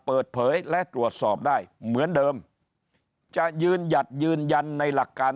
เปิดเผยและตรวจสอบได้เหมือนเดิมจะยืนหยัดยืนยันในหลักการ